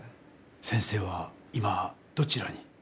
先生は今どちらに？